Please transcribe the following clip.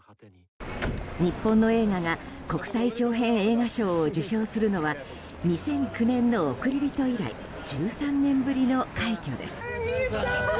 日本の映画が国際長編映画賞を受賞するのは２００９年の「おくりびと」以来１３年ぶりの快挙です。